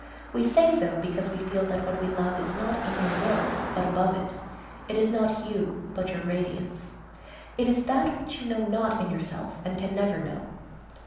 We say so because we feel that what we love is not in your will, but above it. It is not you, but your radiance. It is that which you know not in yourself and can never know.